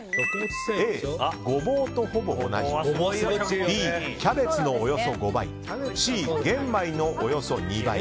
Ａ、ゴボウとほぼ同じＢ、キャベツの約５倍Ｃ、玄米のおよそ２倍。